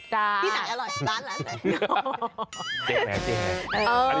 ที่ไหนอร่อยร้าน